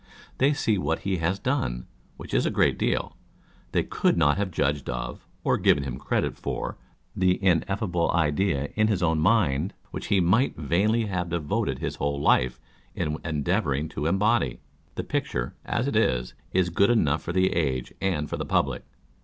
They see what he has done, which is a great deal â€" they could not have judged of, or given him credit for the ineffable idea in his own mind, which he might vainly have devoted his whole life in endeavouring to embody. The picture, as it is, is good enough for the age and for the public.